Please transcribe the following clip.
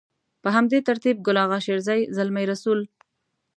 په همدې ترتيب ګل اغا شېرزي، زلمي رسول.